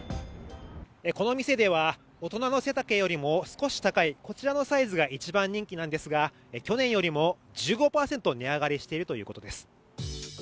この店では大人の背丈よりも少し高いこちらのサイズが一番人気なんですが、去年よりも１５％値上がりしているということです。